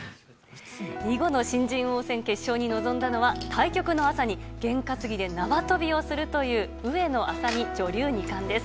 囲碁の新人王戦決勝に臨んだのは、対局の朝に験担ぎで縄跳びをするという、上野愛咲美女流二冠です。